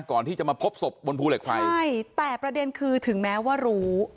ก่อนที่จะมาพบศพบนภูเหล็กไฟใช่แต่ประเด็นคือถึงแม้ว่ารู้